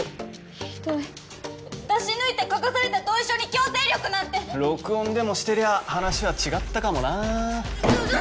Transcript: ひどい出し抜いて書かされた同意書に強制力なんて録音でもしてりゃ話は違ったかもなちょちょ